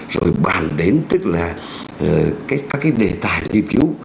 rồi bàn đến tức là các cái đề tài nghiên cứu